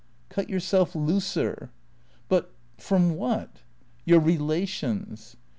" Cut yourself looser." "But — from what?" " Your relations."